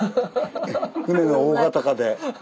船の大型化で。